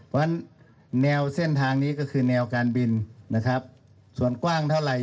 เพราะฉะนั้นแนวเส้นทางนี้ก็คือแนวการบินนะครับส่วนกว้างเท่าไหร่